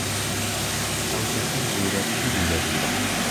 ئەو کەسە ژیرە، پیری لە بیرە